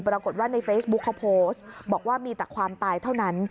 ปรากฏว่าในเฟซบุ๊คเขาโพสต์บอกว่ามีแต่ความตายเท่านั้น